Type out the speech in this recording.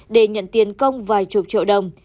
để nhận tiền công vài chục triệu đồng